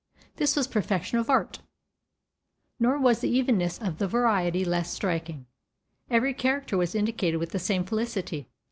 This was perfection of art. Nor was the evenness of the variety less striking. Every character was indicated with the same felicity.